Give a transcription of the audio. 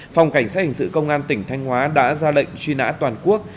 phòng cảnh sát hình sự công an tỉnh thanh hóa đã ra lệnh truy nã toàn quốc